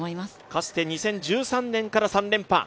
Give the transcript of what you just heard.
かつて２０１３年から３連覇。